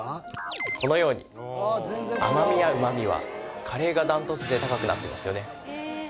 このように甘味やうま味はカレーがダントツで高くなってますよね